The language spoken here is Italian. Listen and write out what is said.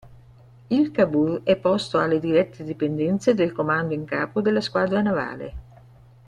Il "Cavour" è posto alle dirette dipendenze del Comando in Capo della Squadra Navale.